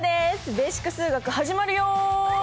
ベーシック数学始まるよ。